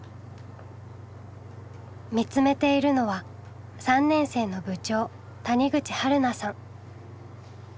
見つめているのは３年生の部長谷口春菜さん。